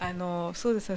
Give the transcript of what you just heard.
そうですね